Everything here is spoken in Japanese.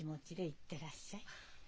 行ってらっしゃい。